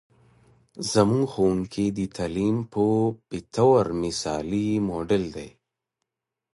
زموږ ښوونکې د تعلیم په بطور مثالي موډل دی.